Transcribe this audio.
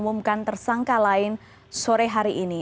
mengumumkan tersangka lain sore hari ini